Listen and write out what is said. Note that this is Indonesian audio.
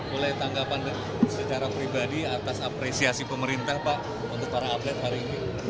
boleh tanggapan secara pribadi atas apresiasi pemerintah pak untuk para atlet hari ini